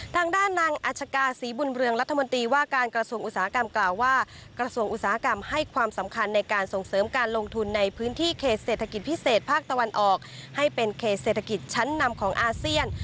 ทางด้านนางอัชกาศรีบุญเรืองรัฐมนตรีว่าการกระทรวงอุตสาหกรรมกล่าวว่ากระทรวงอุตสาหกรรมให้ความสำคัญในการส่งเสริมการลงทุนในพื้นที่เขตเศรษฐกิจพิเศษภาคตะวันออกให้เป็นเขตเศรษฐกิจชั้นนำของอาเซียน